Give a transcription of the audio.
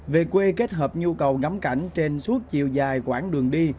về quê kết hợp nhu cầu ngắm cảnh trên suốt chiều dài quãng đường đi